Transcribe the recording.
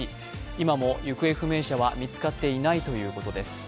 今も行方不明者は見つかっていないということです。